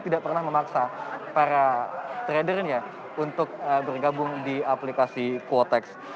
tidak pernah memaksa para tradernya untuk bergabung di aplikasi quotex